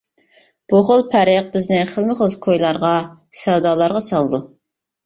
بۇ خىل پەرق بىزنى خىلمۇ خىل كويلارغا، سەۋدالارغا سالىدۇ.